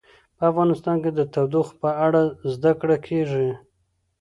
په افغانستان کې د تودوخه په اړه زده کړه کېږي.